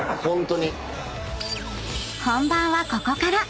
［本番はここから。